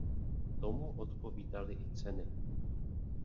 Tomu odpovídaly i ceny.